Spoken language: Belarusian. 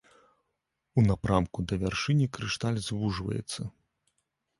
У напрамку да вяршыні крышталь звужваецца.